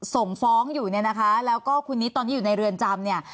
ส่งฟ้องอยู่เนี่ยนะคะแล้วก็คุณนิดตอนที่อยู่ในเรือนจำเนี่ย